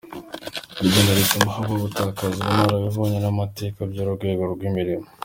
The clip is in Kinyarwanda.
Iri genda rituma habaho gutakaza ubunararibonye n’amateka by’uru rwego rw’imirimo ".